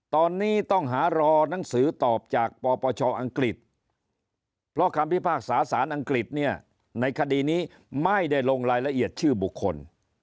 ตอนนี้ต้องหารอนังสือตอบจากปปชอังกฤษเพราะคำพิพากษาสารอังกฤษเนี่ยในคดีนี้ไม่ได้ลงรายละเอียดชื่อบุคคล